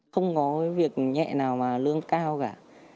không có việc nhẹ nào mà lương cao cả